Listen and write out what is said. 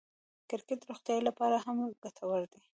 کرکټ د روغتیا له پاره هم ګټور دئ.